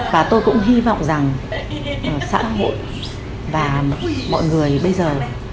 và tôi cũng hy vọng rằng xã hội và mọi người bây giờ